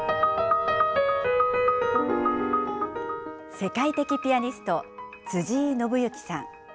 世界的ピアニスト、辻井伸行さん。